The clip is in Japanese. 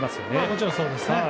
もちろん、そうですね。